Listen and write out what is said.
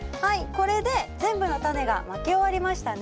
これで全部のタネがまき終わりましたね。